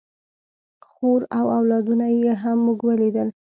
خور او اولادونه یې هم موږ ولیدل.